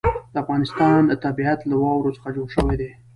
د افغانستان طبیعت له واوره څخه جوړ شوی دی.